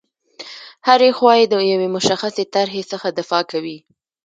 هره خوا یې د یوې مشخصې طرحې څخه دفاع کوي.